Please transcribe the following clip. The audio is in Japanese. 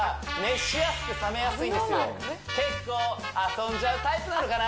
結構遊んじゃうタイプなのかな？